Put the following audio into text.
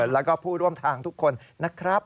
แล้วก็ผู้ร่วมทางทุกคนนะครับ